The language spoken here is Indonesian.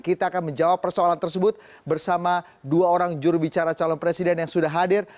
kita akan menjawab persoalan tersebut bersama dua orang jurubicara calon presiden yang sudah hadir